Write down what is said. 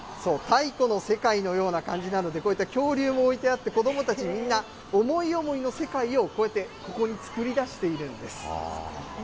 太古の世界のような感じなので、こういった恐竜も置いてあって、子どもたち、みんな、思い思いの世界をこうやってここに作り出しているんです。